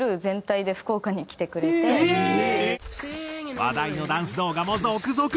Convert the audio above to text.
話題のダンス動画も続々。